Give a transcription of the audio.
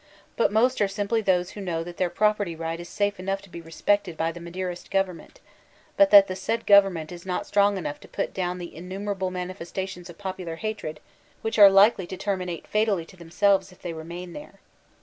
But nx>st are simply those who know that their property right b safe enough to be respected by the Maderist gov ernment, but that the said government is not strong enough to put down the innumerable manifestations of popular hatred which are likely to terminate fatally to themselves if they remain there.